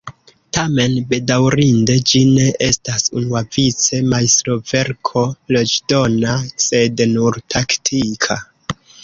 Tamen, bedaŭrinde, ĝi ne estas unuavice majstroverko leĝdona sed nur taktika.